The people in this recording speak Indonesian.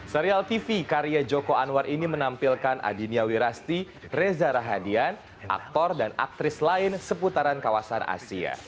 serial tv karya joko anwar ini menampilkan adinia wirasti reza rahadian aktor dan aktris lain seputaran kawasan asia